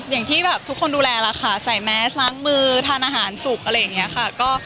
อย่างที่แบบทุกคนดูแลแล้วค่ะใส่แมสล้างมือทานอาหารสุกอะไรอย่างนี้ค่ะ